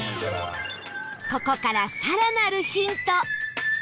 ここから、更なるヒント